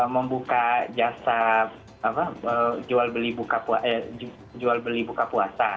membuka jasa jual beli buka puasa